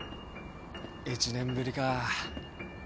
１年ぶりか。